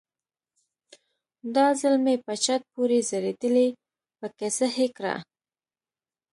دا ځل مې په چت پورې ځړېدلې پکه سهي کړه.